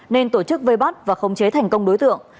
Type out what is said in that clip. nên tổ chức vây bắt và khống chế thành công đối tượng